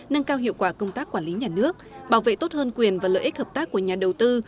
nâng cao hiệu quả công tác quản lý nhà nước bảo vệ tốt hơn quyền và lợi ích hợp tác của nhà đầu tư